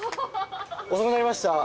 遅くなりました。